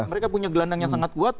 mereka punya gelandang yang sangat kuat